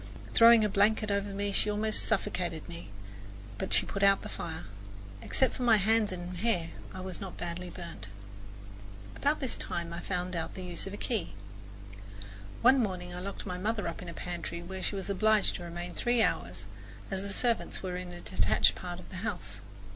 Throwing a blanket over me, she almost suffocated me, but she put out the fire. Except for my hands and hair I was not badly burned. About this time I found out the use of a key. One morning I locked my mother up in the pantry, where she was obliged to remain three hours, as the servants were in a detached part of the house.